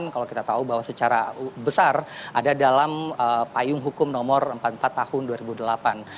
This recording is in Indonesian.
kalau kita tahu bahwa secara besar ada dalam payung hukum nomor empat puluh empat tahun dua ribu delapan